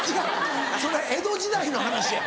それ江戸時代の話や！